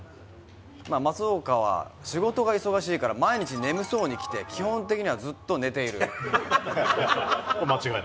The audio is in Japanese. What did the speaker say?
「松岡は仕事が忙しいから毎日眠そうに来て基本的にはずっと寝ている」ハハハハ！